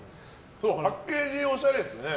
パッケージおしゃれですね。